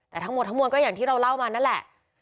แต่ทั้งหมดทั้งมวลก็อย่างที่เราเล่ามานั่นแหละ